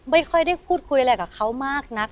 ไม่ค่อยได้พูดคุยอะไรกับเขามากนัก